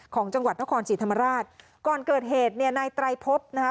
ของจังหวัดนครศรีธรรมราชก่อนเกิดเหตุเนี่ยนายไตรพบนะคะ